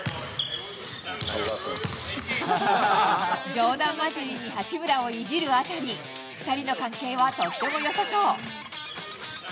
冗談交じりに八村をいじるあたり、２人の関係はとってもよさそう。